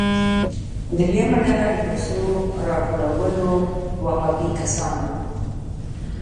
دریمه ډله د پیسو راټولولو وهابي کسان وو.